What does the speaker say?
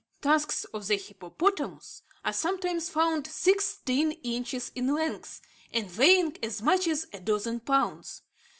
Tusks of the hippopotamus are sometimes found sixteen inches in length, and weighing as much as a dozen pounds.